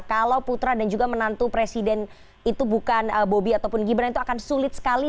kalau putra dan juga menantu presiden itu bukan bobi ataupun gibran itu akan sulit sekali